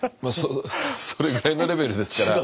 それぐらいのレベルですから。